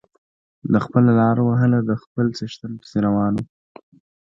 ده خپله لاره وهله د خپل څښتن پسې روان و.